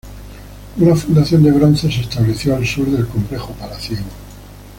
Una fundición de bronce se estableció al sur del complejo palaciego.